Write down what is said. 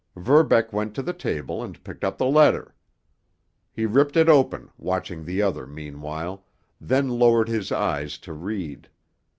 Verbeck went to the table and picked up the letter. He ripped it open, watching the other meanwhile, then lowered his eyes to read.